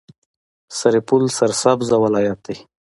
سرپل سرسبزه ولایت دی.